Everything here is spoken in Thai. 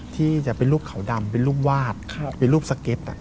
ที่จะเป็นรูปเขาดำเป็นรูปวาดเป็นรูปสเก็ต